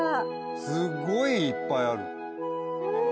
すごいいっぱいある！